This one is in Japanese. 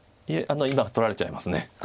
いえ今取られちゃいます。